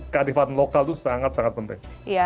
kearifan lokal itu sangat sangat penting